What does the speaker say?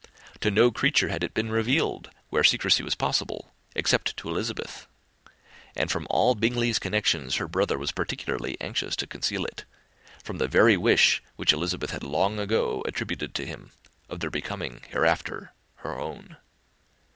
To no creature had it been revealed, where secrecy was possible, except to Elizabeth; and from all Bingley's connections her brother was particularly anxious to conceal it, from that very wish which Elizabeth had long ago attributed to him, of their becoming hereafter her own.